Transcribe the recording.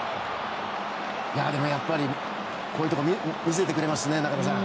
でもやっぱりこういうところを見せてくれますね。